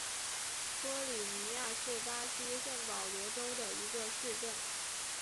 托里尼亚是巴西圣保罗州的一个市镇。